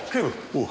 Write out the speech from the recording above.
おう。